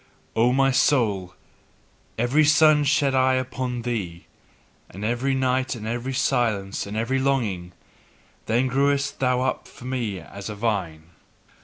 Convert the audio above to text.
O my soul, every sun shed I upon thee, and every night and every silence and every longing: then grewest thou up for me as a vine.